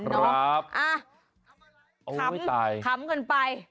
ครับโอ้โฮไอ้ตายคำเกินไป